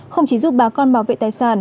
không chỉ giúp bà con bảo vệ tài sản